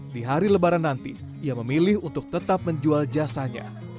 di hari lebaran nanti ia memilih untuk tetap menjual jasanya